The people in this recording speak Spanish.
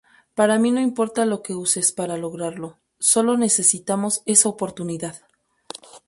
Para mi no importa lo que uses para lograrlo, sólo necesitamos esa oportunidad".